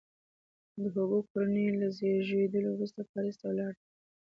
د هوګو کورنۍ له زیږېدلو وروسته پاریس ته ولاړه.